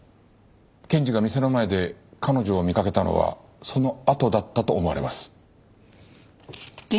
検事が店の前で彼女を見かけたのはそのあとだったと思われます。